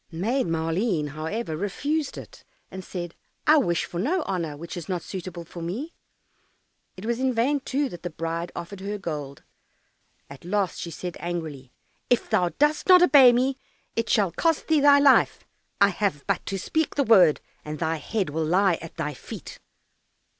Maid Maleen, however, refused it, and said, "I wish for no honour which is not suitable for me." It was in vain, too, that the bride offered her gold. At last she said angrily, "If thou dost not obey me, it shall cost thee thy life. I have but to speak the word, and thy head will lie at thy feet."